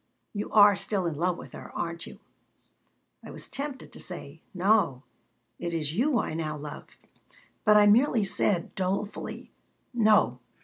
You are still in love with her, aren't you?" I was tempted to say: "No. It is you I now love." But I merely said, dolefully: "No.